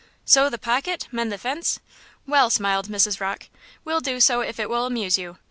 "Sew the pocket! mend the fence! Well!" smiled Mrs. Rocke; "we'll do so if it will amuse you.